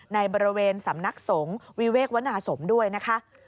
ในบริเวณสำนักสงฆ์วิเวกวนาสมด้วยนะคะ